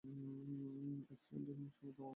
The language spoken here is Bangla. এক সেকেন্ড সময় দেও আমাকে।